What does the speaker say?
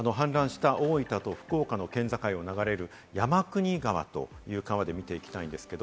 大分と福岡の県境を流れる山国川という川で見ていきます。